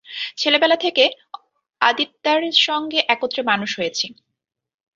ছেলেবেলা থেকে আদিতদার সঙ্গে একত্রে মানুষ হয়েছি।